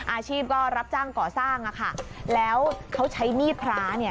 อาชีพก็รับจ้างก่อสร้างแล้วเขาใช้มีดพลา